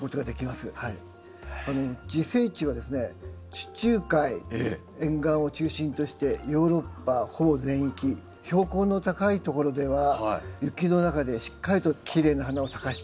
地中海沿岸を中心としてヨーロッパほぼ全域標高の高いところでは雪の中でしっかりときれいな花を咲かしてくれております。